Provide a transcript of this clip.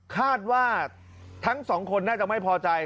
คาดว่าทั้งสองคนน่าจะไม่พอใจ